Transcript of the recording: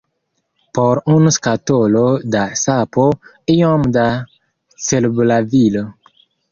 Por unu skatolo da sapo, iom da cerbolavilo.